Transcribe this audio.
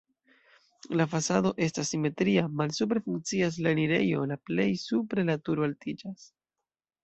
La fasado estas simetria, malsupre funkcias la enirejo, la plej supre la turo altiĝas.